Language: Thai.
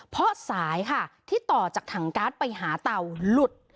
เพราะสายค่ะที่ต่อจากถังการ์ดไปหาเตาหลุด